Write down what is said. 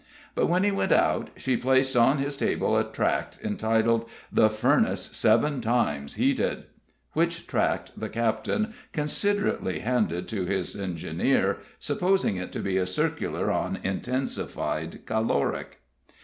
But when he went out, she placed on his table a tract, entitled "The Furnace Seven Times Heated," which tract the captain considerately handed to his engineer, supposing it to be a circular on intensified caloric.